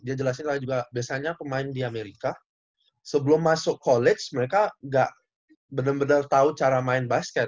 dia jelasin juga biasanya pemain di amerika sebelum masuk college mereka nggak benar benar tahu cara main basket